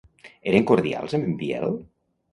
Eren cordials amb en Biel?